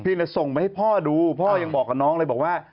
เลยส่งไปให้พ่อดูพ่อยังบอกกับน้องเลยบอกว่า